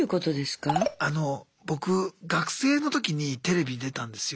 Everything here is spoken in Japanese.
僕学生の時にテレビ出たんですよ。